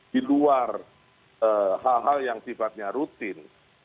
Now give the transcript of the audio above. di luar hal hal yang sifatnya rutin